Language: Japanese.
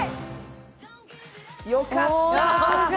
良かった！